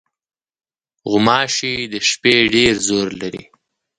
غوماشې د شپې ډېر زور لري.